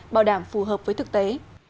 bảo đảm phù hợp với thực tế